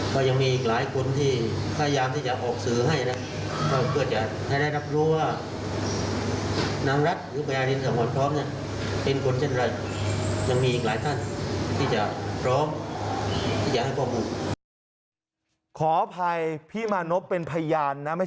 ก็ยังมีอีกหลายคนที่พยายามที่จะออกสื่อให้นะ